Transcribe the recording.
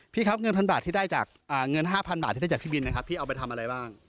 พี่ครับเงิน๕๐๐๐บาทที่ได้จากพี่บินนะครับพี่เอาไปทำอะไรบ้าง